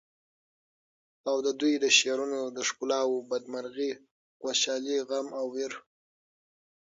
او ددوی د شعرونو د ښکلاوو بد مرغي، خوشالی، غم او وېر